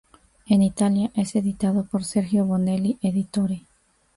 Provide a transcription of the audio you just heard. En Italia es editado por Sergio Bonelli Editore.